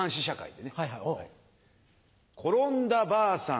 転んだばあさん